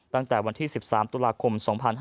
ตั้งแต่วันที่๑๓ตุลาคม๒๕๕๙